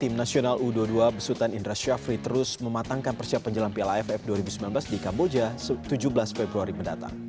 tim nasional u dua puluh dua besutan indra syafri terus mematangkan persiapan jelang piala aff dua ribu sembilan belas di kamboja tujuh belas februari mendatang